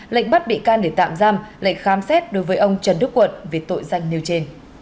lệnh bắt bị can để tạm giam lệnh khám xét đối với ông trần đức quận về tội danh nêu trên